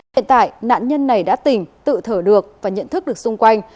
hiện tại nạn nhân này đã tỉnh tự thở được và nhận thức được xung quanh